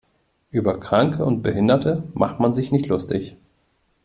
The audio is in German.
Über Kranke und Behinderte macht man sich nicht lustig.